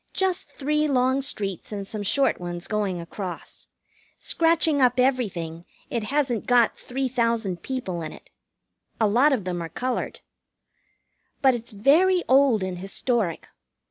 Just three long streets and some short ones going across. Scratching up everything, it hasn't got three thousand people in it. A lot of them are colored. But it's very old and historic.